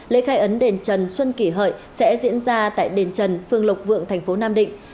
lễ khai ấn đền trần xuân kỷ hợi sẽ diễn ra tại đền trần phương lộc vượng thành phố nam định